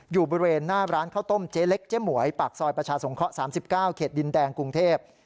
อยู่บริเวณหน้าร้านข้าวต้มเจ๊เล็กเจ๊หมวยปากซอยประชาสงเคราะห์๓๙เขตดินแดงกรุงเทพ